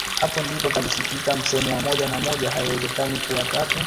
Hapo ndipo palisikika msemo wa moja na moja haiwezekani kuwa tatu